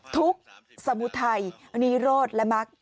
ทุกข์สมุทัยนีโรธและมัก